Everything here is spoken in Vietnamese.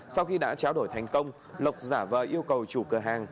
sau khi đã tráo đổi thành công lộc giả vờ yêu cầu chủ cửa hàng